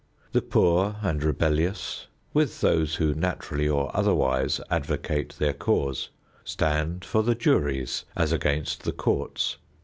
The poor and rebellious, with those who naturally or otherwise advocate their cause, stand for the juries as against the courts.